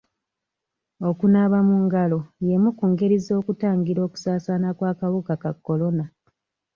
Okunaaba mu ngalo y'emu ku ngeri z'okutangira okusaasaana k'akawuka ka kolona.